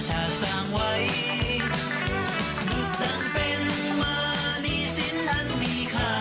ช่วงนี้รักคือวันที่รอสุขจริงเนอะรอคอยดักหนา